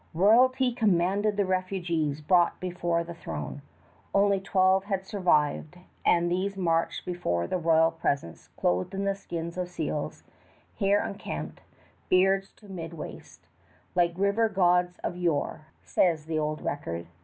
Royalty commanded the refugees brought before the throne. Only twelve had survived, and these marched before the royal presence clothed in the skins of seals, hair unkempt, beards to mid waist, "like river gods of yore," says the old record.